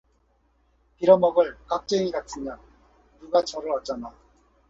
빌어먹을 깍쟁이 같은 년, 누가 저를 어쩌나